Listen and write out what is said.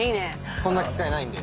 こんな機会ないんで。